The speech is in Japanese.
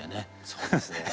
そうですね。